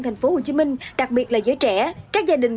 thành phố hồ chí minh đặc biệt là giới trẻ các gia đình